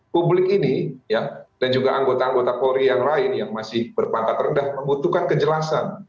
publik ini dan juga anggota anggota polri yang lain yang masih berpangkat rendah membutuhkan kejelasan